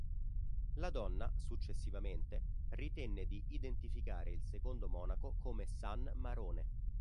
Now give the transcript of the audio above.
La donna, successivamente, ritenne di identificare il secondo monaco come san Marone.